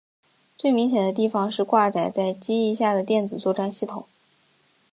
最明显的地方是挂载在机翼下的电子作战系统。